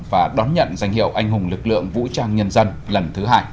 và đón nhận danh hiệu anh hùng lực lượng vũ trang nhân dân lần thứ hai